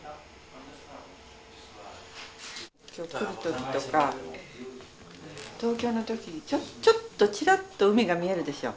今日来る時とか東京の時にちょっとちらっと海が見えるでしょう